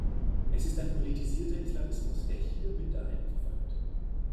Es ist ein politisierter Islamismus, der hier Minderheiten verfolgt.